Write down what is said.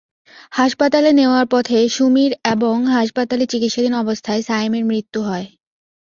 হাসপাতালে নেওয়ার পথে সুমীর এবং হাসপাতালে চিকিৎসাধীন অবস্থায় সায়েমের মৃত্যু হয়।